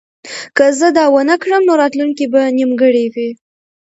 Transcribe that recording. که زه دا ونه کړم نو راتلونکی به نیمګړی وي